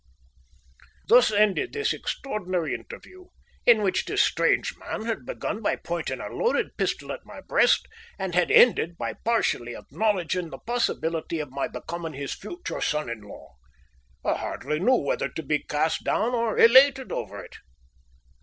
Thus ended this extraordinary interview, in which this strange man had begun by pointing a loaded pistol at my breast and had ended, by partially acknowledging the possibility of my becoming his future son in law. I hardly knew whether to be cast down or elated over it.